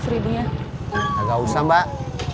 seribunya nggak usah mbak